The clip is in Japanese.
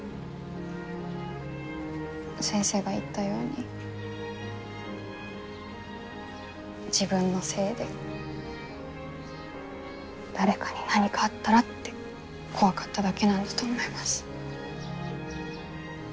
先生が言ったように自分のせいで誰かに何かあったらって怖かっただけなんだと思います。